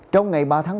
trong ngày ba tháng bảy